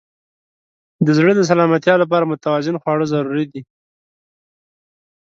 د زړه د سلامتیا لپاره متوازن خواړه ضروري دي.